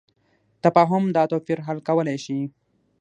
تفاهم دا توپیر حل کولی شي.